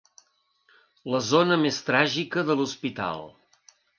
La zona més tràgica de l'hospital.